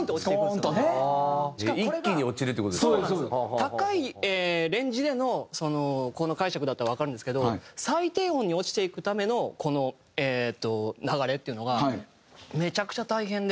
高いレンジでのこの解釈だったらわかるんですけど最低音に落ちていくためのこのえっと流れっていうのがめちゃくちゃ大変で。